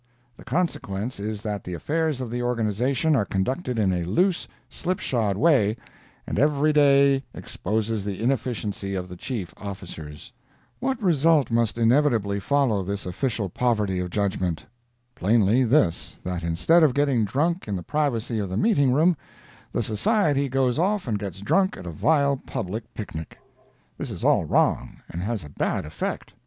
The consequence is that the affairs of the organization are conducted in a loose, slipshod way, and every day exposes the inefficiency of the chief officers. What result must inevitably follow this official poverty of judgment? Plainly this, that instead of getting drunk in the privacy of the meeting room, the society goes off and gets drunk at a vile public picnic. This is all wrong, and has a bad effect.